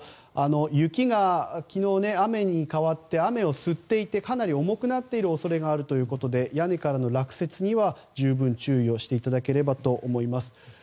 雪が昨日、雨に変わって雨を吸っていてかなり重くなっている恐れがあるということで屋根からの落雪には十分、注意していただければと思います。